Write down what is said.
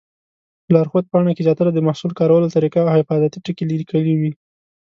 په لارښود پاڼه کې زیاتره د محصول کارولو طریقه او حفاظتي ټکي لیکلي وي.